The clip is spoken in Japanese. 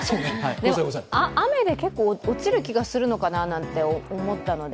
雨で落ちる気がするのかなと思ったので。